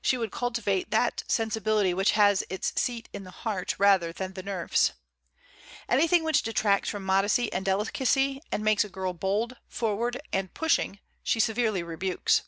She would cultivate that "sensibility which has its seat in the heart, rather than the nerves." Anything which detracts from modesty and delicacy, and makes a girl bold, forward, and pushing, she severely rebukes.